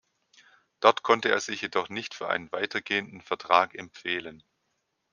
Dort konnte er sich jedoch nicht für einen weitergehenden Vertrag empfehlen.